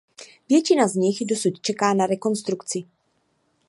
Většina z nich dosud čeká na rekonstrukci.